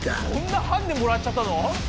そんなハンデもらっちゃったの？